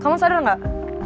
kamu sadar gak